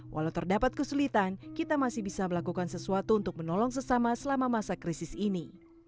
walau terdapat kesulitan kita masih bisa melakukan sesuatu untuk menolong sesama selama masa krisis ini